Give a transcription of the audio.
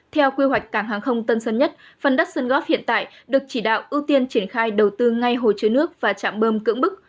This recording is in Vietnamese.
theo quy hoạch cảng hàng không tân sơn nhất phần đất sơn góp hiện tại được chỉ đạo ưu tiên triển khai đầu tư ngay hồ chứa nước và trạm bơm cưỡng bức